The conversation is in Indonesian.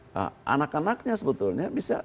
nah anak anaknya sebetulnya bisa